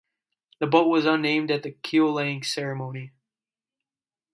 The boat was unnamed at the keel-laying ceremony.